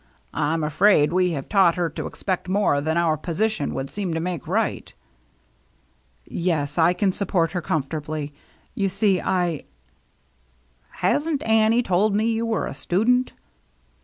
I'm afraid we have taught her to expect more than our position would seem to make right." " Yes, I can support her comfortably. You see, I —"" Hasn't Annie told me you were a student